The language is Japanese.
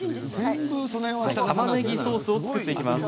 たまねぎソースを作っていきます。